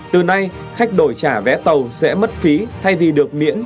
từ nay khách đổi trả vé tàu sẽ mất phí thay vì được miễn